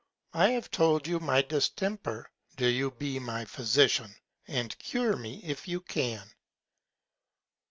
I have told you my Distemper, do you be my Physician, and cure me, if you can.